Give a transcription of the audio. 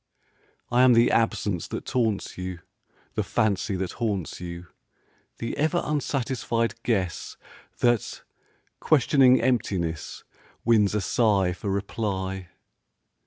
I am the absence that taunts you, The fancy that haunts you; The ever unsatisfied guess That, questioning emptiness, Wins a sigh for reply.